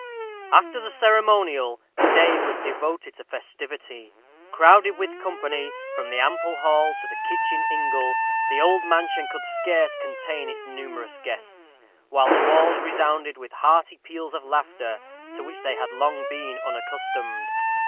After the ceremonial, the day was devoted to festivity. Crowded with company, from the ample hall to the kitchen ingle, the old mansion could scarce contain its numerous guests, while the walls resounded with hearty peals of laughter, to which they had been long unaccustomed.